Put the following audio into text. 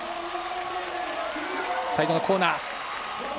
最後のコーナー。